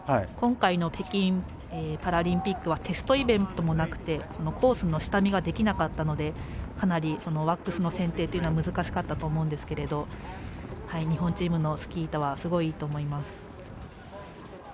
今回の北京パラリンピックはテストイベントもなくてコースの下見ができなかったのでかなりワックスの選定というのは難しかったと思うんですけれど日本チームのスキー板はすごいいいと思います。